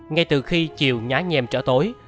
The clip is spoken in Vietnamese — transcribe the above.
ngay từ khi chiều nhái nhèm trở tối